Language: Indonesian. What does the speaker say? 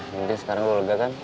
mungkin sekarang gue lega kan